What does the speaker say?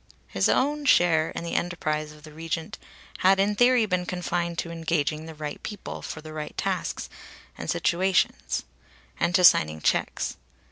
His own share in the enterprise of the Regent had in theory been confined to engaging the right people for the right tasks and situations; and to signing checks.